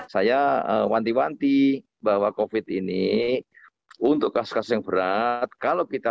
saya wanti wanti bahwa covid ini untuk kasus kasus yang berat kalau kita